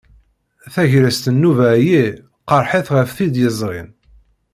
Tagrest n nnuba-ayi qerrḥet ɣef tid yezrin.